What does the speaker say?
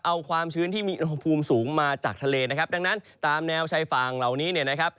เอาความชื้นที่มีอุณหภูมิสูงมาจากทะเลนะครับดังนั้นตามแนวชายฝั่งเหล่านี้เนี่ยนะครับ